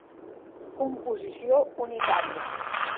Composició unitària.